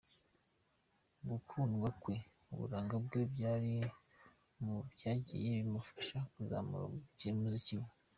Gukundwa kwe uburanga bwe byari mu byagiye bimufasha kuzamura umuziki we.